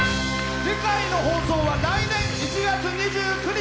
次回の放送は来年１月２９日。